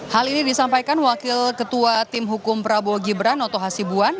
hal ini disampaikan wakil ketua tim hukum prabowo gibran oto hasibuan